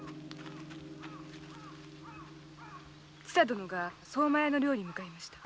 千佐殿が相馬屋の寮に向かいました。